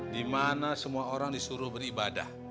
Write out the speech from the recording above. dimana semua orang disuruh beribadah